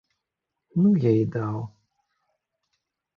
Ну, я і даў.